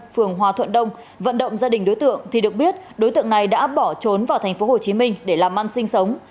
phường hòa thuận đông vận động gia đình đối tượng thì được biết đối tượng này đã bỏ trốn vào tp hcm để làm ăn sinh sống